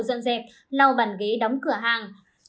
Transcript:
dọn dẹp lau bàn ghế đóng cửa hàng